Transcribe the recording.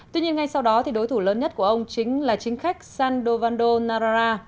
tuy nhiên ngay sau đó đối thủ lớn nhất của ông chính là chính khách sandovando nara